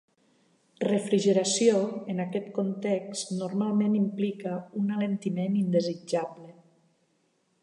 "Refrigeració" en aquest context normalment implica un alentiment indesitjable.